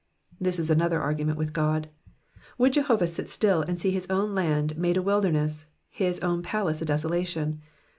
This is another argument with God. Would Jehovah sit still and see his own land made a wilderness, his own palace a desolation